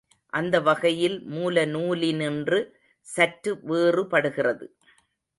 அந்த வகையில் மூல நூலினின்று சற்று வேறுபடுகிறது.